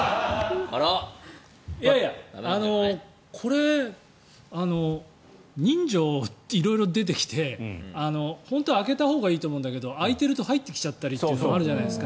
いやいや人情、色々出てきて本当は空けたほうがいいと思うんだけど空いてると入ってきちゃったりというのがあるじゃないですか。